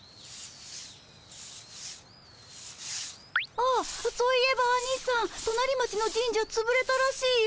あっそういえばアニさんとなり町の神社つぶれたらしいよ。